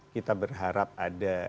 kita berharap ada